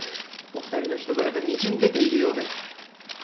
お二人の人柄がにじみ出ているようで